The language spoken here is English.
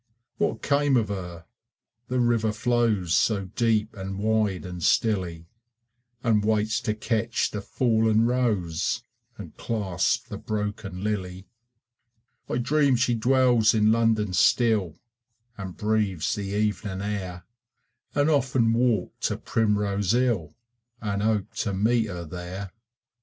What came of her? The river flows So deep and wide and stilly, And waits to catch the fallen rose And clasp the broken lily. I dream she dwells in London still And breathes the evening air, And often walk to Primrose Hill, And hope to meet her there.